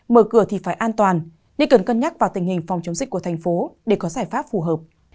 mở cửa thì phải an toàn nên cần cân nhắc vào tình hình phòng chống dịch của thành phố để có giải pháp phù hợp